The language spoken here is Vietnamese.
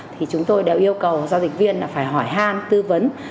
thì chúng tôi đều yêu cầu giao dịch viên phải hỏi han tư vấn